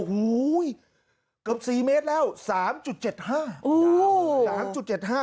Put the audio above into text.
ก็อยู่อีกสี่เมตรเหล่าสามจุดเจ็ดห้า